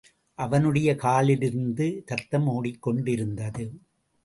அவனுடைய காலிலிருந்து ரத்தம் ஓடிக்கொண்டிருந்தது.